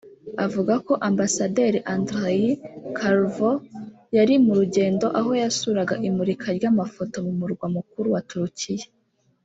avuga ko ambasaderi Andrei Karlov yari mu rugendo aho yasuraga imurika ry'amafoto mu murwa mukuru wa Turukiya